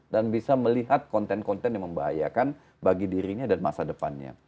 dan bisa melihat konten konten yang membahayakan bagi dirinya dan masa depannya